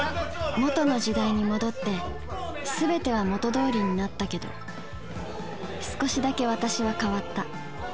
元の時代に戻って全ては元どおりになったけど少しだけ私は変わった。